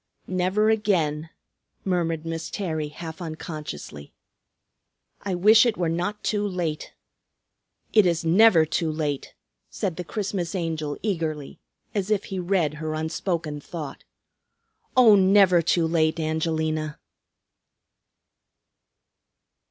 "Never again," murmured Miss Terry half unconsciously. "I wish it were not too late " "It is never too late," said the Christmas Angel eagerly, as if he read her unspoken thought. "Oh, never too late, Angelina."